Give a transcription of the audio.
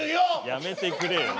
やめてくれよ。